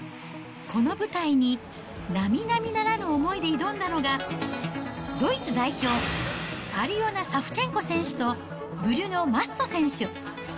この舞台になみなみならぬ思いで挑んだのが、ドイツ代表、アリオナ・サフチェンコ選手と、ブリュノ・マッソ選手。